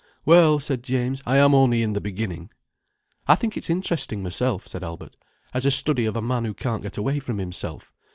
"Well," said James, "I am only in the beginning." "I think it's interesting, myself," said Albert, "as a study of a man who can't get away from himself.